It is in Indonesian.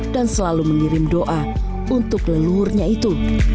selalu mengirim doa untuk leluhurnya itu